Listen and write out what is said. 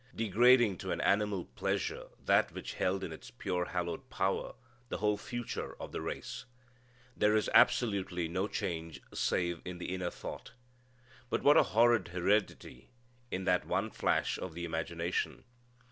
Degrading to an animal pleasure that which held in its pure hallowed power the whole future of the race. There is absolutely no change save in the inner thought. But what a horrid heredity in that one flash of the imagination!